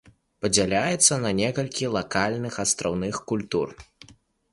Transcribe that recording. Падзяляецца на некалькі лакальных астраўных культур.